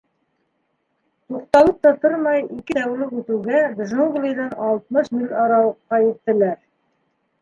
Туҡталып та тормай, ике тәүлек үтеүгә джунглиҙан алтмыш миль арауыҡҡа еттеләр.